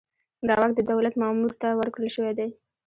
دا واک د دولت مامور ته ورکړل شوی دی.